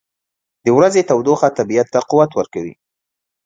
• د ورځې تودوخه طبیعت ته قوت ورکوي.